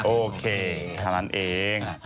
โอเคแค่นั้นเอง